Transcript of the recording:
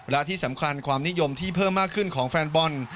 และที่สำคัญความนิยมที่เพิ่มมากขึ้นของแฟนบอล